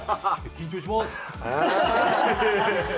緊張します！